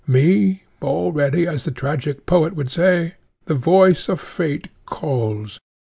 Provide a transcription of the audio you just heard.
Me already, as the tragic poet would say, the voice of fate calls.